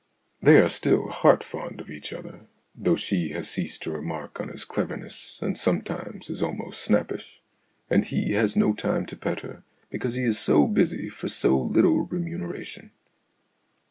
They are still heart fond of each other, though she has ceased to remark on his cleverness and sometimes is almost snappish, and he has no time to pet her because he is so busy for so little remuneration.